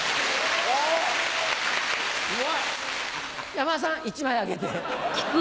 山田さん１枚あげて。